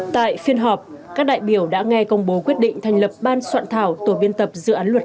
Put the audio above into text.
tại phiên họp các đại biểu đã nghe công bố quyết định thành lập ban soạn thảo tổ biên tập dự án luật